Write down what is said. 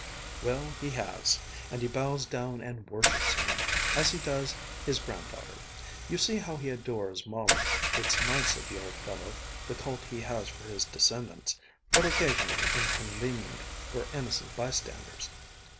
"Well, he has, and he bows down and worships him, as he does his granddaughter. You see how he adores Molly. It's nice of the old fellow, the cult he has for his descendants, but occasionally inconvenient for innocent bystanders.